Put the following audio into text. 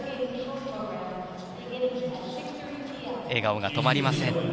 笑顔が止まりません